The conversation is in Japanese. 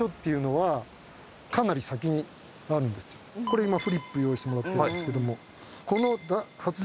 これ今フリップ用意してもらってるんですけども。